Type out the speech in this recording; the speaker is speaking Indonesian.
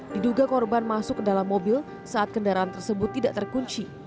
diduga korban masuk ke dalam mobil saat kendaraan tersebut tidak terkunci